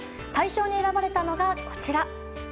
大賞に選ばれたのが、こちら。